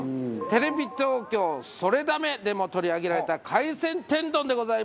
テレビ東京『ソレダメ！』でも取り上げられた海鮮天丼でございます。